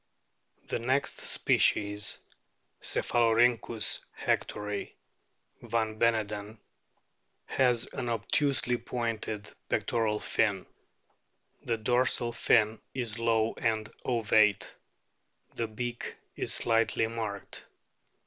The next species, Cephalorhynchus hectori (van Beneden),f has an obtusely pointed pectoral fin ; the dorsal fin is low and ovate ; the beak is slightly marked.